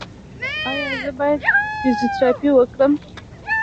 ایا زه باید فزیوتراپي وکړم؟